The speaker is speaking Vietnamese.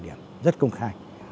rất công khai